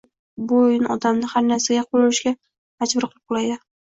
Bu oʻyin odamni har narsaga qoʻl urishga majbur qilib qoʻyadi